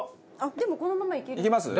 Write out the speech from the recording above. でもこのままいける。